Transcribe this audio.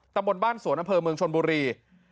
ตำบลบ้านสวนอำเภอเมืองชนบุรี